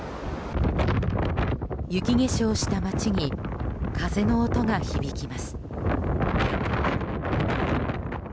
雪化粧した街に風の音が響きます。